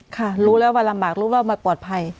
ค่ะรู้แล้วว่าลำบากรู้รอบมาปลอดภัย